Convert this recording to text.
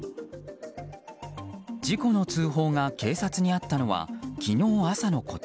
事故の通報が警察にあったのは昨日朝のこと。